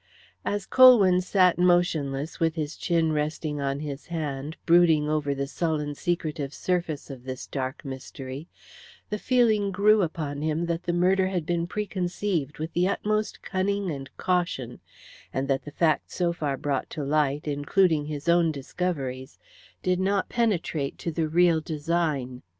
As Colwyn sat motionless, with his chin resting on his hand, brooding over the sullen secretive surface of this dark mystery, the feeling grew upon him that the murder had been preconceived with the utmost cunning and caution, and that the facts so far brought to light, including his own discoveries, did not penetrate to the real design.